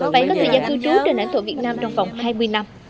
phải có thời gian cư trú để nảy tội việt nam trong vòng hai mươi năm